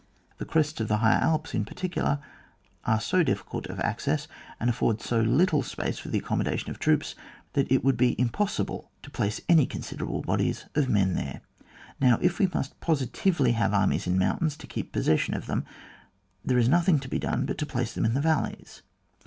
The crests of the higher Alps in par ticular are so difficult of access, and afford so little space for the accommoda tion of troops, that it would be impos sible to place any considerable bodies of men there. Now if we must positively have armies in mountains to keep pos session of them, there is nothing to be done but to place them in the valleys.